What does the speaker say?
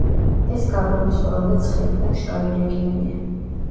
ეს გაბონის ყველაზე ცხელი და მშრალი რეგიონია.